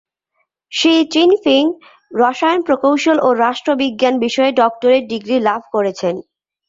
She Jinping রসায়ন প্রকৌশল ও রাষ্ট্রবিজ্ঞান বিষয়ে ডক্টরেট ডিগ্রি লাভ করেছেন।